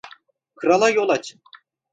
Krala yol açın.